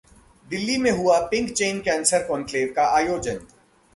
दिल्ली में हुआ pink chain cancer conclave का आयोजन